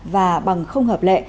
và bằng không hợp lệ